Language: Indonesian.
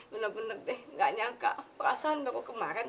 bahwa nenek itu nggak pernah wanti wanti sama kamu